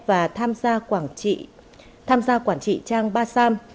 và tham gia quản trị trang ba sam